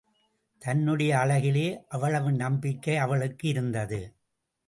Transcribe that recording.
தன்னுடைய அழகிலே அவ்வளவு நம்பிக்கை அவளுக்கு இருந்தது.